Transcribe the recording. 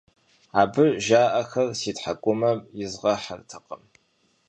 Абы жаӏэхэр си тхьэкӀумэм изгъэхьэртэкъым.